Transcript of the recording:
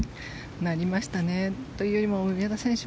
なりましたね。というよりも上田選手